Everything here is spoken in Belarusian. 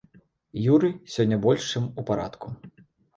Юрый сёння больш чым у парадку.